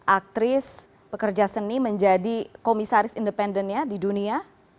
aktris pekerja seni menjadi komisaris independennya di dunia